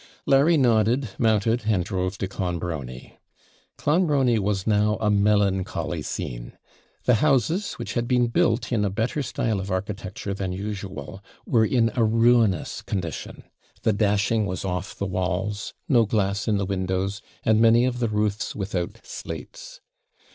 Larry nodded, mounted, and drove to Clonbrony. Clonbrony was now a melancholy scene. The houses, which had been built in a better style of architecture than usual, were in a ruinous condition; the dashing was off the walls, no glass in the windows, and many of the roofs without slates.